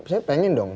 saya pengen dong